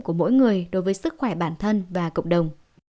của mỗi người đối với sức khỏe bản thân và cộng đồng